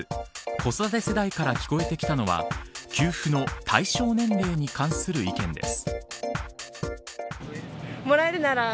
子育て世代から聞こえてきたのは給付の対象年齢に関する意見です。